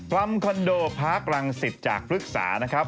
พร้ำคอนโดพระกรังสิทธิ์จากฟลึกษานะครับ